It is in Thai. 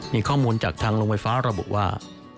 มีข้อมูลจากทางโรงไฟฟ้าระบุว่า